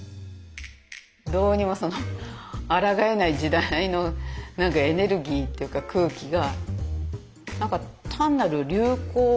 どうにもそのあらがえない時代のエネルギーっていうか空気が。